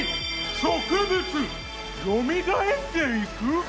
植物よみがえっていく？